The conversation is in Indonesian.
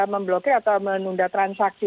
memblokir atau menunda transaksi